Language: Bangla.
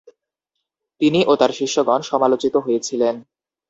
তিনি ও তার শিষ্যগণ সমালোচিত হয়েছিলেন।